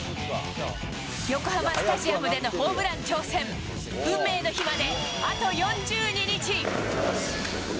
横浜スタジアムでのホームラン挑戦、運命の日まで、あと４２日。